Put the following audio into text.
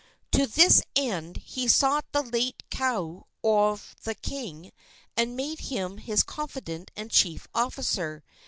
To this end he sought out the late kahu of the king and made him his confidant and chief officer.